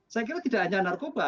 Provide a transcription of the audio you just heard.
saya kira tidak hanya narkoba